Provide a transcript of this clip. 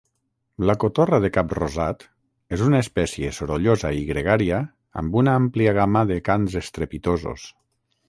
La cotorra de cap rosat és una espècie sorollosa i gregària amb una àmplia gama de cants estrepitosos.